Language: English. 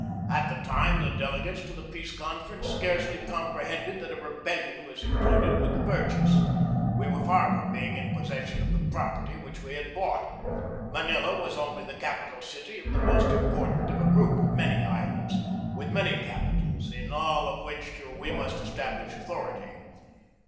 At the time the delegates to the Peace Conference scarcely com prehended that a rebellion was included with the purchase. We were far from being in possession of the property which we had bought. Manila was only the capital city of the most important of a group of many islands, with many capitals, in all of which we must establish authority.